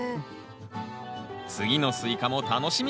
次のスイカも楽しみです。